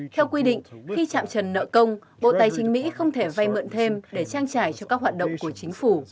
theo quy định khi chạm trần nợ công bộ tài chính mỹ không thể vay mượn thêm để trang trải cho các hoạt động của chính phủ